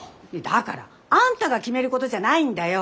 だからあんたが決めることじゃないんだよ。